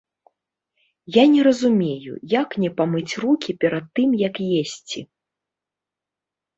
Я не разумею, як не памыць рукі перад тым як есці.